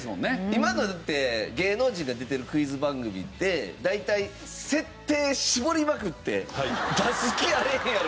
今のって芸能人が出てるクイズ番組って大体設定絞りまくって出す気あれへんやろ！